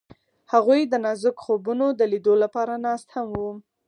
هغوی د نازک خوبونو د لیدلو لپاره ناست هم وو.